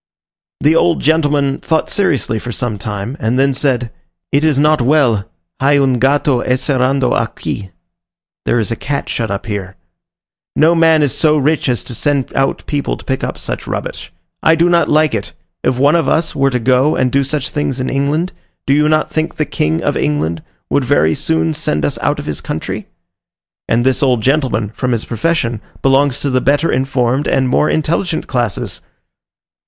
The old gentleman thought seriously for some time, and then said, "It is not well, hay un gato encerrado aqui (there is a cat shut up here). No man is so rich as to send out people to pick up such rubbish. I do not like it: if one of us were to go and do such things in England, do not you think the King of England would very soon send us out of his country?" And this old gentleman, from his profession, belongs to the better informed and more intelligent classes!